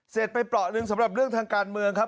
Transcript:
เสร็จไปเปราะหนึ่งสำหรับเรื่องทางการเมืองครับ